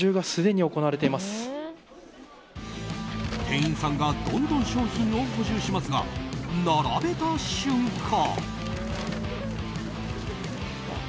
店員さんがどんどん商品を補充しますが並べた瞬間。